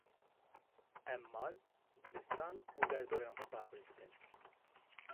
Em mal, dibistan û derdorên xwe paqij dikin.